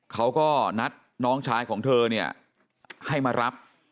เขาก็นัดน้องชายของเธอเนี่ยให้มารับ